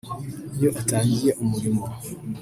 Iyo atangiye umurimo